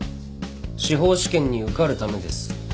司法試験に受かるためです。